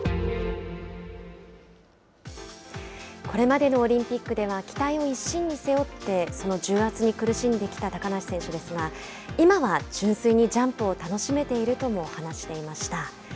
これまでのオリンピックでは期待を一身に背負ってその重圧に苦しんできた高梨選手ですが今は純粋にジャンプを楽しめているとも話していました。